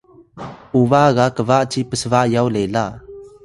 uba ga kba ci psba yaw lela